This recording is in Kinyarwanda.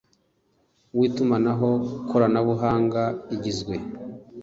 w itumanaho koranabuhanga igizwe